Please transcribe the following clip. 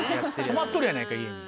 泊まっとるやないか家に。